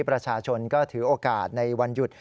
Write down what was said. ประชาชนก็ถือโอกาสในวันหยุด